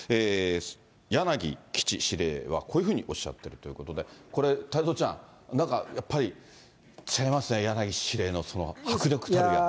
柳基地司令は、こういうふうにおっしゃっているということで、これ、太蔵ちゃん、なんか、やっぱり違いますね、柳司令の迫力というか。